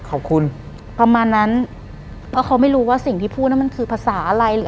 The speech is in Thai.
หลังจากนั้นเราไม่ได้คุยกันนะคะเดินเข้าบ้านอืม